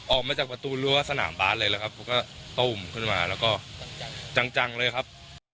ออกมาจากประตูรั้วสนามบาสเลยแล้วครับผมก็ตุ้มขึ้นมาแล้วก็จังเลยครับ